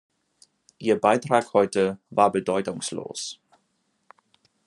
Ihr Beitrag heute war bedeutungslos.